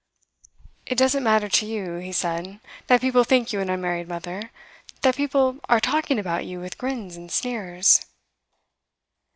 'It doesn't matter to you,' he said, 'that people think you an unmarried mother, that people are talking about you with grins and sneers?